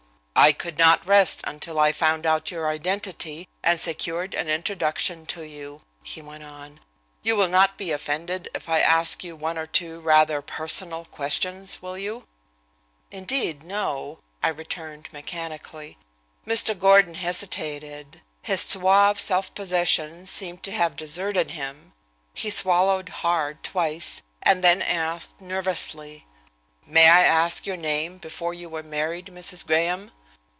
"I could not rest until I found out your identity, and secured an introduction to you," he went on. "You will not be offended if I ask you one or two rather personal questions, will you?" "Indeed, no," I returned mechanically. Mr. Gordon hesitated. His suave self possession seemed to have deserted him. He swallowed hard twice, and then asked, nervously: "May I ask your name before you were married, Mrs. Graham?"